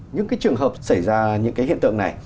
những cái trường hợp xảy ra những cái hiện tượng này